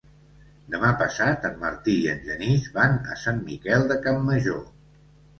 Demà passat en Martí i en Genís van a Sant Miquel de Campmajor.